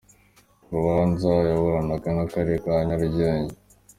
- Urubanza yaburanaga n’akarere ka Nyarugenge